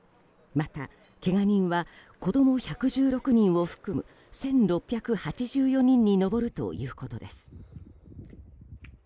また、けが人は子供１１６人を含む１６８４人に上るということです。